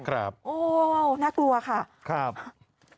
โอ้โฮน่ากลัวค่ะ